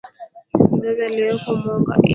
mzazi aliyeko nyamwanga idd al hajj njema